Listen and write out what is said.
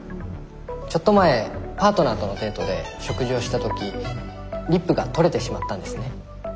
ちょっと前パートナーとのデートで食事をした時リップが取れてしまったんですね。